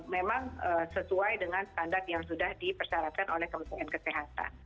memang sesuai dengan standar yang sudah dipersyaratkan oleh kementerian kesehatan